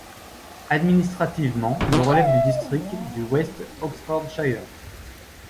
Administrativement, il relève du district du West Oxfordshire.